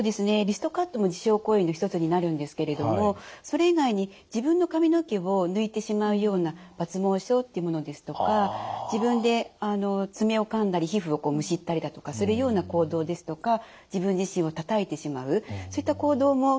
リストカットも自傷行為の一つになるんですけれどもそれ以外に自分の髪の毛を抜いてしまうような抜毛症っていうものですとか自分で爪をかんだり皮膚をむしったりだとかするような行動ですとか自分自身をたたいてしまうそういった行動も含まれてきます。